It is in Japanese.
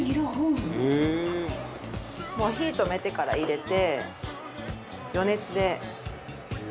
もう火止めてから入れて。